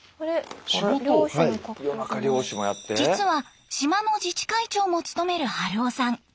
実は島の自治会長も務める春生さん。